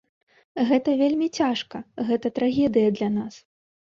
Гэта вельмі цяжка, гэта трагедыя для нас.